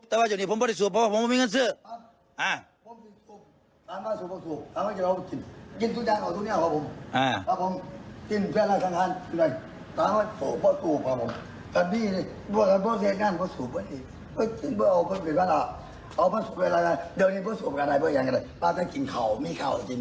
ตรงนี้ผมเป็นสูบเพราะผมไม่มีคนกับสิ้น